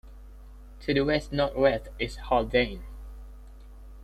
To the west-northwest is Haldane.